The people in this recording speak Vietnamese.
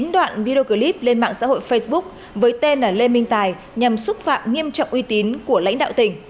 đoạn video clip lên mạng xã hội facebook với tên là lê minh tài nhằm xúc phạm nghiêm trọng uy tín của lãnh đạo tỉnh